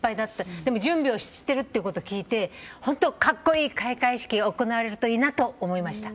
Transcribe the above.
でも準備をしていると聞いて本当格好いい開会式が行われるといいなと思いました。